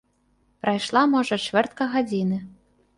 Прайшла, можа, чвэртка гадзіны.